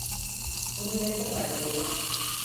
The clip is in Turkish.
Bunun nesi var böyle?